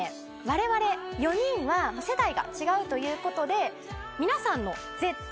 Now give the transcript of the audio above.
われわれ４人は世代が違うということで。